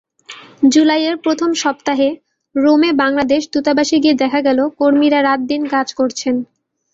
জুলাইয়ের প্রথম সপ্তাহে রোমে বাংলাদেশ দূতাবাসে গিয়ে দেখা গেল কর্মীরা রাত-দিন কাজ করছেন।